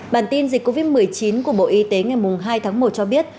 bản tin dịch covid một mươi chín của bộ y tế ngày hai tháng một cho biết